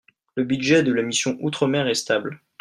Le budget de la mission Outre-mer est stable.